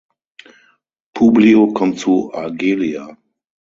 Publio kommt zu Argelia.